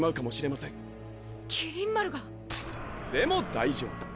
でも大丈夫。